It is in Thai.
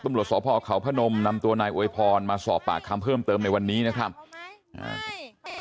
ตำรวจสพเขาพนมนำตัวนายอวยพรมาสอบปากคำเพิ่มเติมในวันนี้นะครับอ่า